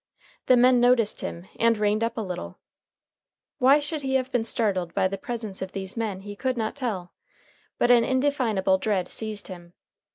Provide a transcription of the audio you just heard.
The men noticed him and reined up a little. Why he should have been startled by the presence of these men he could not tell, but an indefinable dread seized him.